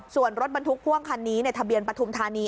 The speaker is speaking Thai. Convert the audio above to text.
ส่วนรถบรรทุกพ่วงคันนี้ในทะเบียนปฐุมธานี